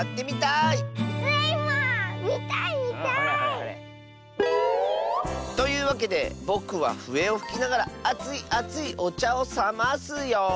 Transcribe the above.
みたいみたい！というわけでぼくはふえをふきながらあついあついおちゃをさますよ。